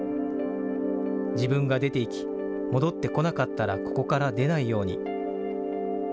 自分が出ていき、戻ってこなかったらここから出ないように。